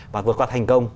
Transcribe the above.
và vượt qua thành công